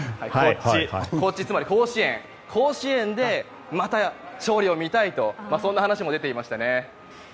つまり、甲子園でまた勝利を見たいとそんな話も出ていましたね。